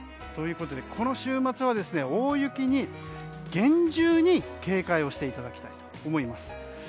ということで、この週末は大雪に厳重に警戒をしていただきたいと思います。